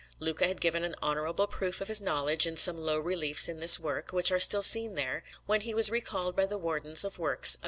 Luca had given an honourable proof of his knowledge in some low reliefs in this work, which are still seen there, when he was recalled by the Wardens of Works of S.